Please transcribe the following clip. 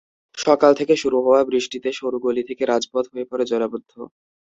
সকাল থেকে শুরু হওয়া বৃষ্টিতে সরু গলি থেকে রাজপথ হয়ে পড়ে জলাবদ্ধ।